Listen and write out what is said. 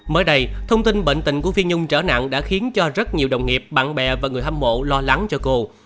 mới đây thông tin bệnh tình của phi nhung trở nặng đã khiến cho rất nhiều đồng nghiệp bạn bè và người hâm mộ lo lắng cho cô